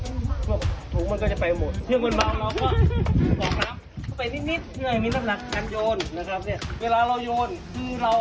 พวกถุงมันก็จะไปหมดเชือกมันเบาเราก็กล่องน้ำ